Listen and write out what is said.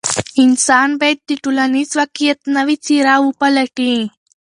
انسان باید د ټولنیز واقعیت نوې څېره وپلټي.